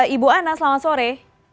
ibu ana selamat sore